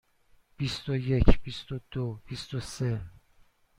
بیست و یک، بیست و دو، بیست و سه.